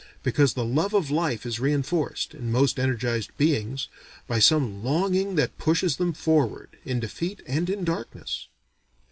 Because the love of life is reenforced, in most energized beings, by some longing that pushes them forward, in defeat and in darkness.